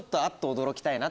驚きたいな。